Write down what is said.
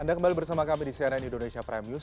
anda kembali bersama kami di cnn indonesia prime news